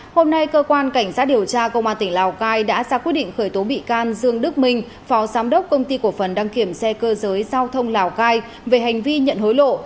hôm nay cơ quan cảnh sát điều tra công an tỉnh lào cai đã ra quyết định khởi tố bị can dương đức minh phó giám đốc công ty cổ phần đăng kiểm xe cơ giới giao thông lào cai về hành vi nhận hối lộ